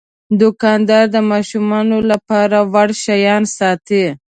دوکاندار د ماشومانو لپاره وړ شیان ساتي.